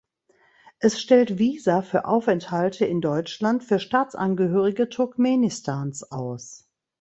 Es stellt Visa für Aufenthalte in Deutschland für Staatsangehörige Turkmenistans aus.